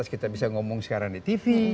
kita bisa ngomong sekarang di tv